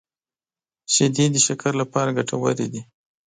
شیدې د شکر لپاره ګټورې دي